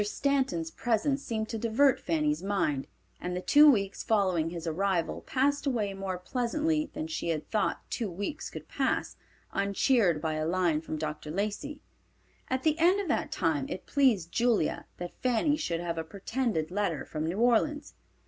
Stanton's presence seemed to divert Fanny's mind, and the two weeks following his arrival passed away more pleasantly than she had thought two weeks could pass, uncheered by a line from Dr. Lacey. At the end of that time it pleased Julia that Fanny should have a pretended letter from New Orleans.